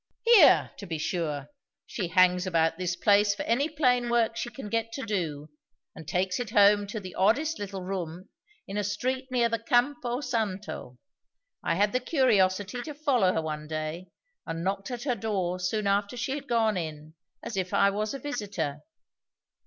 "Here, to be sure; she hangs about this place for any plain work she can get to do, and takes it home to the oddest little room in a street near the Campo Santo. I had the curiosity to follow her one day, and knocked at her door soon after she had gone in, as if I was a visitor.